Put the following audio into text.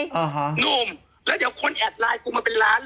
นุ่มแล้วเดี๋ยวคนแอดไลน์กูมาเป็นร้านเลย